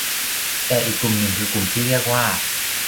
แต่อีกลุ่มหนึ่งคือกลุ่มที่เรียกว่า